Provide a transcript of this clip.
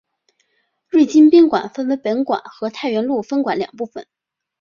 瑞金宾馆分为本馆和太原路分馆两部份。